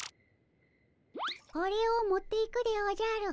これを持っていくでおじゃる。